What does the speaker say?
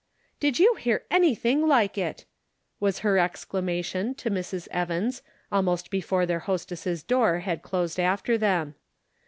" Did you ever hear anything like it !" was her exclamation to Mrs. Evans, almost before their hostess' door had closed after them.